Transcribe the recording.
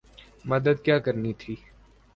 مدد کیا کرنی تھی۔